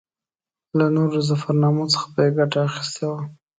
له نورو ظفرنامو څخه به یې ګټه اخیستې وي.